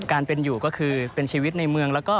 การเป็นอยู่ก็คือเป็นชีวิตในเมืองแล้วก็